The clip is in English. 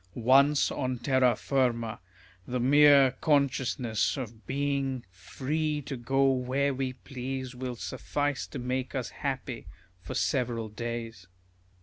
Once on terra firma, the mere consciousness of being free to go where we please will suffice to make us happy for several days.